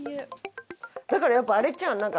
だからやっぱあれちゃう？